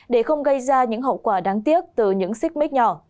để không gây ra những hậu quả đáng tiếc từ những xích mít nhỏ